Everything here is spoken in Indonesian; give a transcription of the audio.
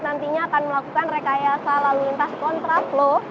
nantinya akan melakukan rekayasa lalu lintas kontra flow